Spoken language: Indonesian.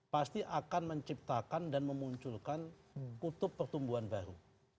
pasti akan menciptakan dan memunculkan kutub pertumbuhan baru